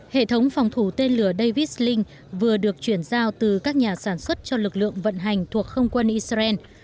hệ thống phòng thủ tên lửa davis link vừa được chuyển giao từ các nhà sản xuất cho lực lượng vận hành thuộc không quân israel